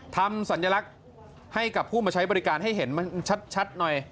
สัญลักษณ์ให้กับผู้มาใช้บริการให้เห็นมันชัดหน่อย